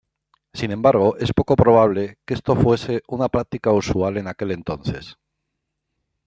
Sin embargo, es poco probable que esto fuese una práctica usual en aquel entonces.